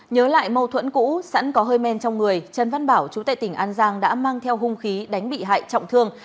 nhớ lại mâu thuẫn cũ sẵn có hơi men trong người trần văn bảo chú tệ tỉnh an giang đã mang theo hung khí đánh bị hại trọng thương